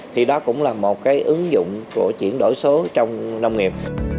thì đó cũng là một cái ứng dụng của chuyển đổi số trong nông nghiệp